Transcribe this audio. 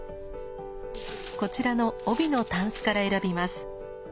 こちらの帯のタンスから選びます。